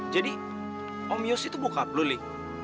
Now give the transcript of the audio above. jadi om yos itu bokap luli